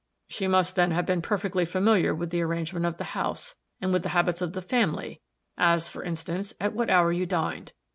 "She must, then, have been perfectly familiar with the arrangement of the house, and with the habits of the family; as for instance, at what hour you dined.